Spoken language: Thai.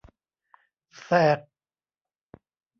แสก